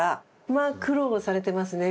まあ苦労されてますね